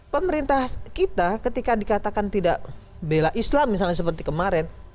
pemerintah kita ketika dikatakan tidak bela islam misalnya seperti kemarin